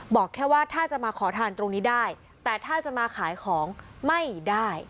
บอกแค่ว่าถ้าจะมาขอทานตรงนี้ได้แต่ถ้าจะมาขายของไม่ได้